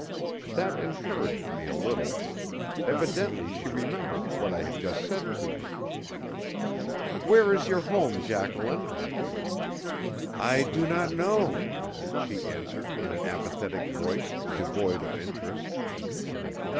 That encouraged me a little. Evidently she remembered what I had just said to her. "Where is your home, Jacqueline?" "I do not know," she answered in an apathetic voice, devoid of interest.